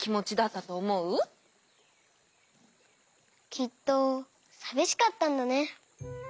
きっとさびしかったんだね。